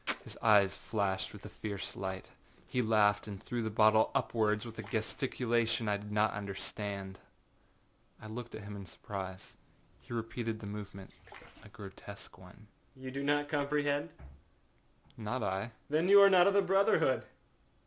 His eyes flashed with a fierce light. He laughed and threw the bottle upwards with a gesticulation I did not understand. I looked at him in surprise. He repeated the movementâa grotesque one. âYou do not comprehend?â he said. âNot I,â I replied. âThen you are not of the brotherhood.